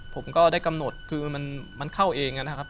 ผมก็ได้กำหนดคือมันเข้าเองนะครับ